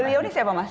beliau ini siapa mas